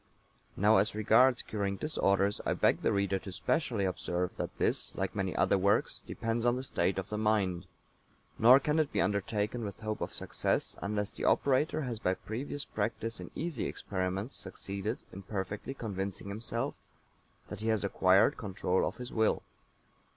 Now, as regards curing disorders, I beg the reader to specially observe that this, like many other works, depends on the state of the mind; nor can it be undertaken with hope of success unless the operator has by previous practice in easy experiments succeeded in perfectly convincing himself that he has acquired control of his will.